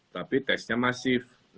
tapi tesnya masif